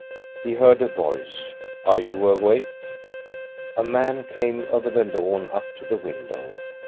He heard a voice. "Are you awake?" A man came over the lawn up to the window.